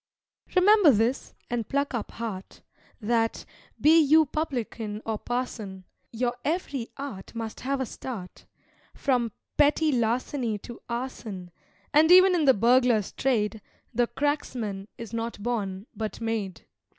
Remember this, and pluck up heart, That, be you publican or parson, Your ev'ry art must have a start, From petty larceny to arson; And even in the burglar's trade, The cracksman is not born, but made.